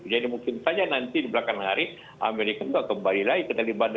jadi mungkin saja nanti di belakang hari amerika juga kembali lagi ke taliban